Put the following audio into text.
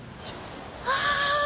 ああ